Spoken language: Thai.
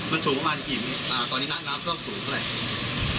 มันสูงประมาณกี่เมตรตอนนี้น้ำเพิ่มสูงเท่าไหร่